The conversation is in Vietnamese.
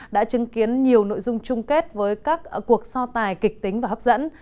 đã chứng kiến nhiều nội dung chung kết với các cuộc so tài kịch tính và hấp dẫn